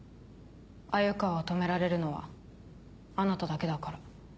鮎川を止められるのはあなただけだから。